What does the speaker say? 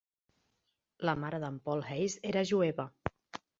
La mare d'en Paul Heyse era jueva.